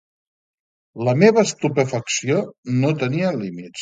La meva estupefacció no tenia límits.